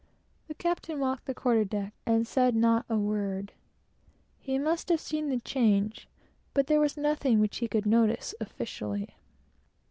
The captain walked the quarterdeck, and said not a word. He must have seen the change, but there was nothing which he could notice officially.